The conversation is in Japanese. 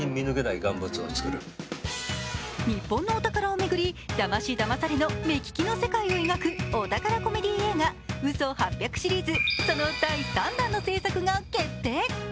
日本のお宝を巡り、だましだまされの目利きの世界を描くお宝コメディー映画「嘘八百」シリーズその第３弾の制作が決定。